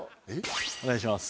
お願いします。